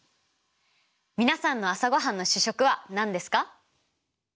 皆さんの朝ごはんの主食は何ですか？